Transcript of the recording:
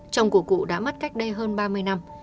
chồng của cụ đã mất cách đây hơn ba mươi năm